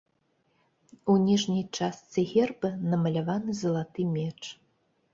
У ніжняй частцы герба намаляваны залаты меч.